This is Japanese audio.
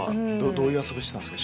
どういう遊びしてたんですか？